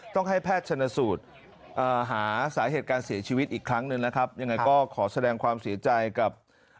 ต้องให้แพทย์ชนสูตรหาสาเหตุการเสียชีวิตอีกครั้งหนึ่งนะครับ